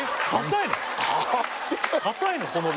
硬いの？